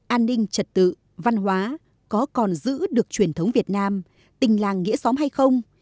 an ninh trật tự văn hóa có còn giữ được truyền thống việt nam tình làng nghĩa xóm hay không